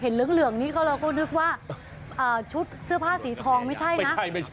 เหลืองนี้เราก็นึกว่าชุดเสื้อผ้าสีทองไม่ใช่นะ